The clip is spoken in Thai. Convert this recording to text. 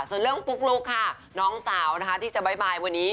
ส่วนเรื่องปุ๊กลุ๊กค่ะน้องสาวนะคะที่จะบ๊ายวันนี้